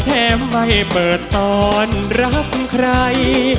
แม้ไม่เปิดตอนรักใคร